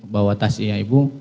bawa tas ibu